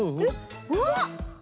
うわっ！